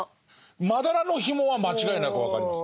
「まだらの紐」は間違いなく分かります。